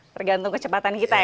tergantung kecepatan kita ya